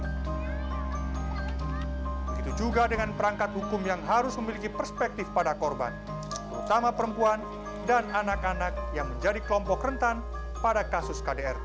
begitu juga dengan perangkat hukum yang harus memiliki perspektif pada korban terutama perempuan dan anak anak yang menjadi kelompok rentan pada kasus kdrt